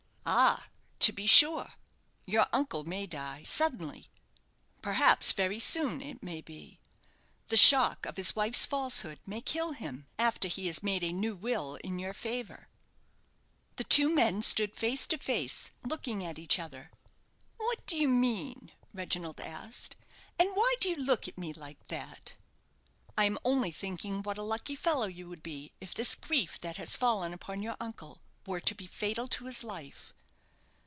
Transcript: "Ah! to be sure! your uncle may die suddenly, perhaps very soon, it may be. The shock of his wife's falsehood may kill him after he has made a new will in your favour!" The two men stood face to face, looking at each other. "What do you mean?" Reginald asked; "and why do you look at me like that?" "I am only thinking what a lucky fellow you would be if this grief that has fallen upon your uncle were to be fatal to his life."